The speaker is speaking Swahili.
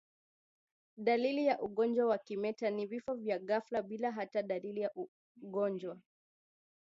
Dalili ya ugonjwa wa kimeta ni vifo vya ghafla bila hata dalili ya ugonjwa